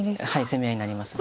攻め合いになります。